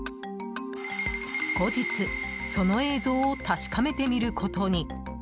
後日、その映像を確かめてみることに。